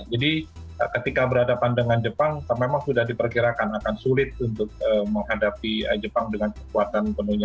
jadi ketika berhadapan dengan jepang memang sudah diperkirakan akan sulit untuk menghadapi jepang dengan kekuatan penuhnya